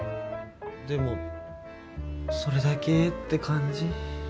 でもそれだけって感じ。